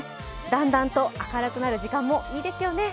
だんだんと明るくなる時間もいいですよね。